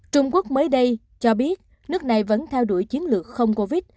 trung quốc mới đây cho biết nước này vẫn theo đuổi chiến lược không covid